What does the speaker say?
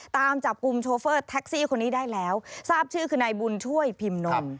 ตามจับกลุ่มโชเฟอร์แท็กซี่คนนี้ได้แล้วทราบชื่อคือนายบุญช่วยพิมพ์นม